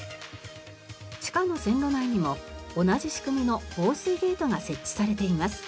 地下の線路内にも同じ仕組みの防水ゲートが設置されています。